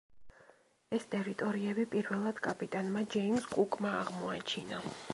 ეს ტერიტორიები პირველად კაპიტანმა ჯეიმზ კუკმა აღმოაჩინა.